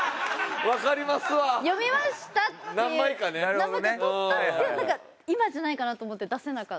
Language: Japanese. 何枚か撮ったんですけどなんか今じゃないかなと思って出せなかった。